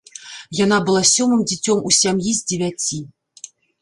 Яна была сёмым дзіцем у сям'і з дзевяці.